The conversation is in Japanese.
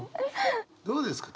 どうですか？